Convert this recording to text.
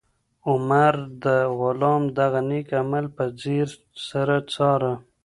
عمر د غلام دغه نېک عمل په ځیر سره څاره.